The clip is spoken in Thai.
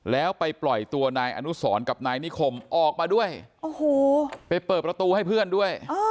แล้วไปปล่อยตัวนายอนุสรกับนายนิคมออกมาด้วยโอ้โหไปเปิดประตูให้เพื่อนด้วย